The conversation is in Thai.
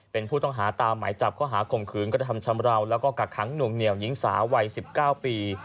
เป็นผู้ต้องหาตามหมายจับข้อหาข่มขืนกระทำชำราวแล้วก็กักขังหน่วงเหนียวหญิงสาววัย๑๙ปี